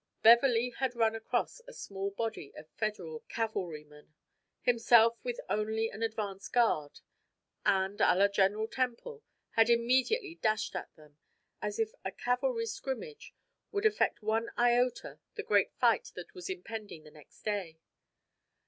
Beverley had run across a small body of Federal cavalrymen, himself with only an advance guard, and, à la General Temple, had immediately dashed at them, as if a cavalry scrimmage would affect one iota the great fight that was impending the next day.